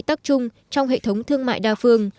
trong hệ thống thương mại đa phương